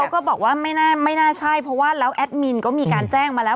ก็บอกว่าไม่น่าใช่เพราะว่าแล้วแอดมินก็มีการแจ้งมาแล้ว